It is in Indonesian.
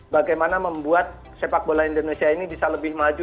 bagaimana membuat sepak bola indonesia ini bisa lebih maju